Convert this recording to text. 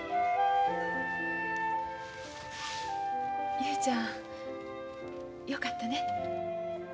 雄ちゃんよかったね。